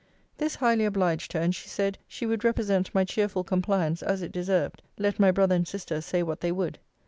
This highly obliged her; and she said, she would represent my cheerful compliance as it deserved, let my brother and sister say what they would.